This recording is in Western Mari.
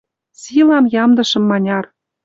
Силам ямдышым маняр...